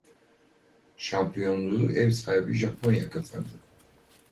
Şampiyonluğu ev sahibi Japonya kazandı.